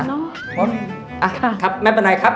อะครับแม่ประนัยครับ